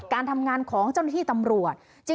การทำงานของเจ้าหน้าที่ตำรวจ